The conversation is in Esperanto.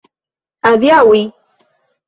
Adiaŭi?